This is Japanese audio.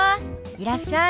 いらっしゃい。